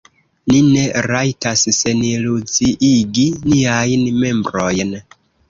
Ni ne rajtas seniluziigi niajn membrojn!